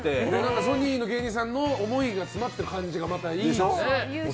ソニーの芸人さんの思いが詰まってる感じがまたいいですね。